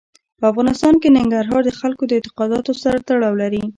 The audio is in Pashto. په افغانستان کې ننګرهار د خلکو د اعتقاداتو سره تړاو لري.